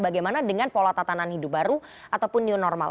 bagaimana dengan pola tatanan hidup baru ataupun new normal